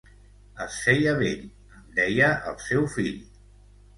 Es feia vell, em deia el seu fill.